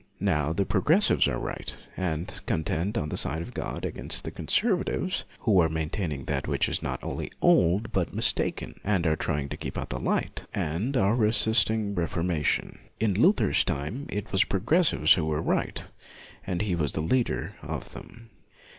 Now the progressives are right, and contend on the side of God against the conservatives who are maintaining that 16 LUTHER which is not only old but mistaken, and are trying to keep out the light, and are resisting reformation. In Luther's time it was the progressives who were right, and he was the leader of them.